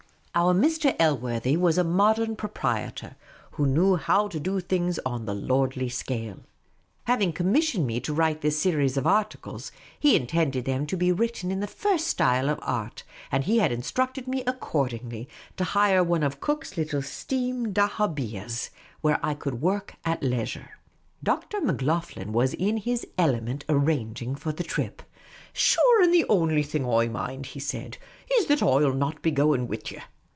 Our Mr. Elworthy was a modern proprietor, who knew how to do things on the lordly scale. Having commissioned me to write this series of articles, he intended them to be written in the first style of art, and he had instructed me accordingly to hire one of Cook's little steam dehabeahs, where I could work at leisure. Dr. Macloghlen was in his element arranging for the trip. " Sure the only thing I mind," he said, " is — that I '11 not be going wid ye."